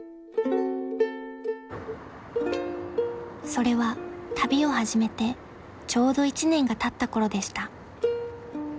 ［それは旅を始めてちょうど１年がたったころでした］